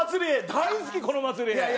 大好きこの祭り。